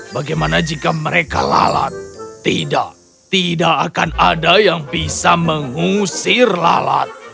bagaimana jika mereka lalat tidak tidak akan ada yang bisa mengusir lalat